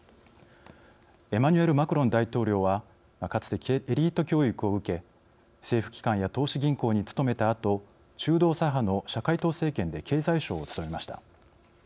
エマニュエル・マクロン大統領はかつてエリート教育を受け政府機関や投資銀行に勤めたあと中道左派の社会党政権で経済相を務めました。